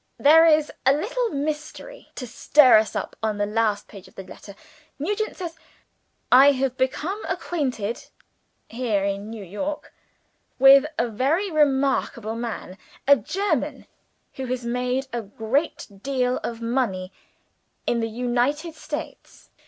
"There is a little mystery to stir us up on the last page of the letter. Nugent says: 'I have become acquainted (here, in New York) with a very remarkable man, a German who has made a great deal of money in the United States.